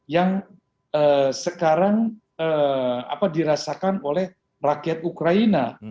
yang sekarang dirasakan oleh rakyat ukraina